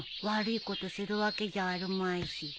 悪いことするわけじゃあるまいし。